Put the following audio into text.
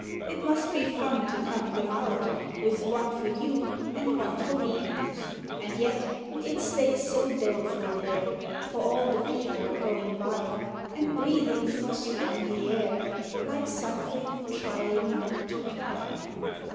It must be fun to count them out, With One for You and One for Me; And yet it stays so doleful there, For all the People going by, And breathing frosty on the air, Like something trying not to cry.